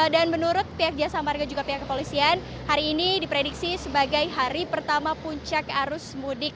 dan menurut pihak jasa marga juga pihak kepolisian hari ini diprediksi sebagai hari pertama puncak arus mudik dua ribu delapan belas